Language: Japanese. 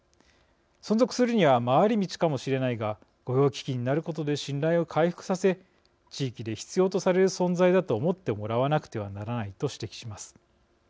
存続するには回り道かもしれないが御用聞きになることで信頼を回復させ地域で必要とされる存在だと思ってもらわなくてはならない」と指摘します。